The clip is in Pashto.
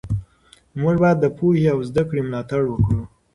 موږ باید د پوهې او زده کړې ملاتړ وکړو.